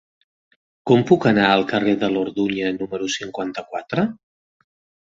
Com puc anar al carrer de l'Orduña número cinquanta-quatre?